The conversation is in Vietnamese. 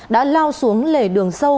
đã lao xuống lề đường sâu